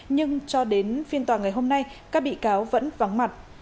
nhưng cho đến phiên tòa ngày hôm nay các bị cáo vẫn vắng mặt